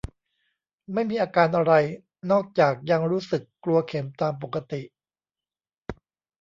ไม่มีอาการอะไร นอกจากยังรู้สึกกลัวเข็มตามปกติ